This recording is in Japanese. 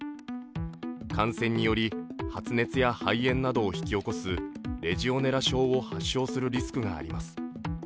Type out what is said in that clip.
感染により、発熱や肺炎などを引き起こすレジオネラ症を発症するリスクがあります。